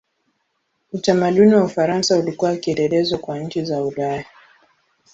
Utamaduni wa Ufaransa ulikuwa kielelezo kwa nchi za Ulaya.